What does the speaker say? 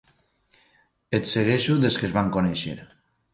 Et segueixo des que ens vam conèixer.